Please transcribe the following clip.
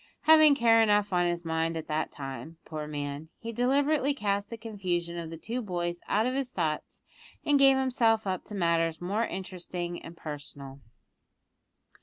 Having care enough on his mind at that time, poor man, he deliberately cast the confusion of the two boys out of his thoughts, and gave himself up to matters more interesting and personal.